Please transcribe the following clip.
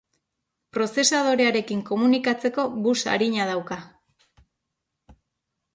Prozesadorearekin komunikatzeko bus arina dauka.